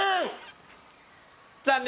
残念！